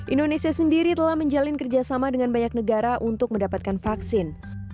indonesia sendiri telah menjalin kerjasama dengan banyak negara untuk mendapatkan vaksin